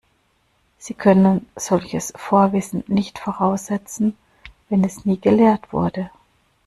Sie können solches Vorwissen nicht voraussetzen, wenn es nie gelehrt wurde.